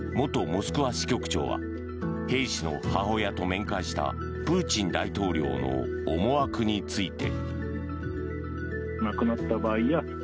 モスクワ支局長は兵士の母親と面会したプーチン大統領の思惑について。